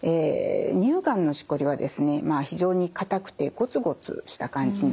乳がんのしこりはですねまあ非常にかたくてゴツゴツした感じになります。